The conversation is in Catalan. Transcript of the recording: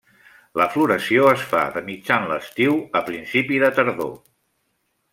La floració es fa de mitjan estiu a principi de tardor.